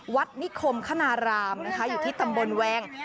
นิคมคณารามนะคะอยู่ที่ตำบลแวง